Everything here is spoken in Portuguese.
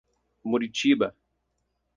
Muritiba